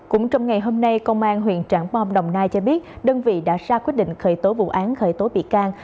cũng trong ngày hôm nay công an huyện trảng bom đồng nai cho biết đơn vị đã ra quyết định khởi tố vụ án khởi tố bị can